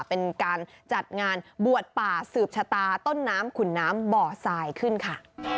เป็นการจัดงานบวชป่าสืบชะตาต้นน้ำขุนน้ำบ่อทรายขึ้นค่ะ